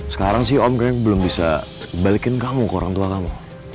sekarang sih om kayaknya belum bisa balikin kamu ke orang tua kamu